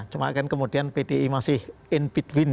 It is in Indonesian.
cuma kan kemudian pdi masih in between